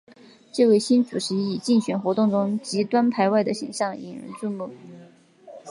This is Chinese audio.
这位新主席以竞选活动中极端排外的形象引人注目。